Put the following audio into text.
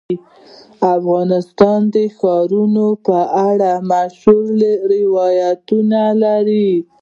افغانستان د ښارونو په اړه مشهور روایتونه لري.